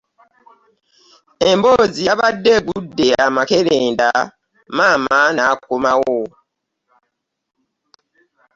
Emboozi yabadde egudde amakeredda maama n'akomawo.